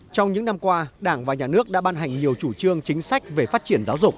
trong những năm qua đảng và nhà nước đã ban hành nhiều chủ trương chính sách về phát triển giáo dục